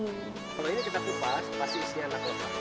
kalau ini kita kupas pasti isinya anak anak